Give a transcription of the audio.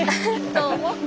どうも。